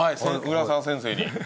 浦沢先生に。